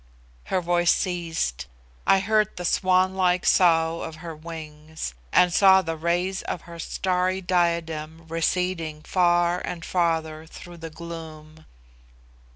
Her voice ceased. I heard the swan like sough of her wings, and saw the rays of her starry diadem receding far and farther through the gloom.